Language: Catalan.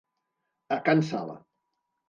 A can Sala.